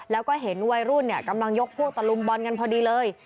แล้วก็เห็นวัยรุ่นกำลังยกพวกตะลุมบอลกันพอดีเลย